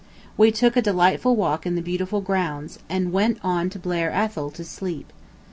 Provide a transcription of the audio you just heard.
We took a delightful walk in the beautiful grounds, and went on to Blair Athol to sleep.